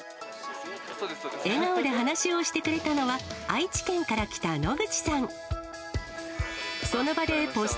笑顔で話をしてくれたのは、愛知県から来た野口さん。